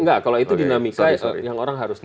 enggak kalau itu dinamika yang orang harus tahu